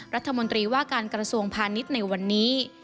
รัฐมนตรีว่าการกระทรวงพาณิชย์ในวันนี้